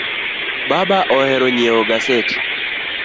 Baba ohero nyieo gaset